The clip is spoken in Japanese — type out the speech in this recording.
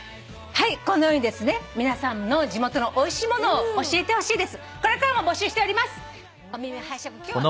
このようにですね皆さんの地元のおいしいものを教えてほしいです。